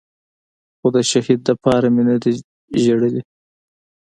خو د شهيد دپاره مې نه دي جړلي.